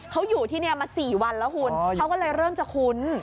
เขาอยู่ที่นี่มา๔วันแล้วคุณเขาก็เลยเริ่มจะคุ้น